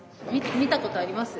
見たことあります？